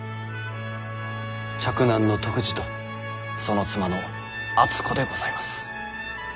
嫡男の篤二とその妻の敦子でございます。